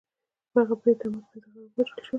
په هغه برید کې د حماس پنځه غړي وژل شوي وو